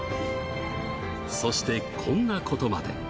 そしてこんなことまで。